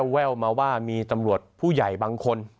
แววมาว่ามีตำรวจผู้ใหญ่บางคน